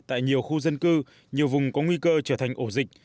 tại nhiều khu dân cư nhiều vùng có nguy cơ trở thành ổ dịch